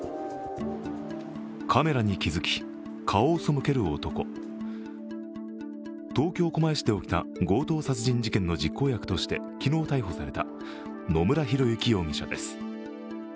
カメラに気づき、顔をそむける男東京・狛江市で起きた強盗殺人事件の実行役として昨日逮捕された野村広之容疑者です。